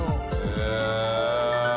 へえ。